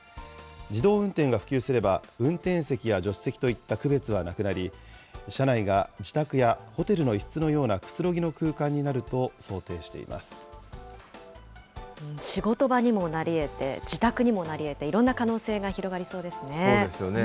自動運転が普及すれば、運転席や助手席といった区別はなくなり、車内が自宅やホテルの一室のようなくつろぎの空間になると想定し仕事場にもなりえて、自宅にもなりえて、いろんな可能性が広がりそうですね。